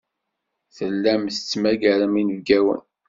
Tellam tettmagarem inebgawen.